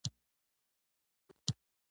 زه همدلته دروازې ته نږدې ناست وم.